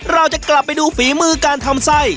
เราจะกลับไปดูฝีมือการทำไส้